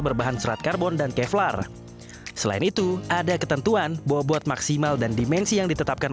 berbahan serat karbon dan kevlar selain itu ada ketentuan bobot maksimal dan dimensi yang ditetapkan